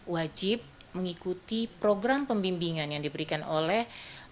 wajib mengikuti program pembimbingan yang diberikan oleh